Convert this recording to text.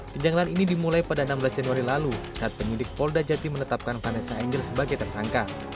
kejanggalan ini dimulai pada enam belas januari lalu saat penyidik polda jati menetapkan vanessa angel sebagai tersangka